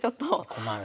困る。